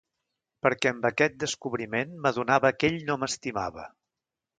Perquè amb aquest descobriment m'adonava que ell no m'estimava.